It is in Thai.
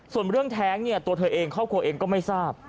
ส่วนเรื่องแท้งเนี่ยตัวเธอเองครอบครัวเองก็ไม่ทราบ